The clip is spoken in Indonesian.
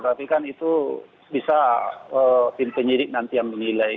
tapi kan itu bisa tim penyidik nanti yang menilai